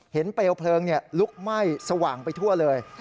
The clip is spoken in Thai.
เปลวเพลิงลุกไหม้สว่างไปทั่วเลย